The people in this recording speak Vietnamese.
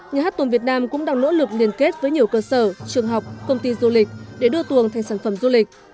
nhà hát tuồng việt nam cũng đang nỗ lực liên kết với nhiều cơ sở trường học công ty du lịch để đưa tuồng thành sản phẩm du lịch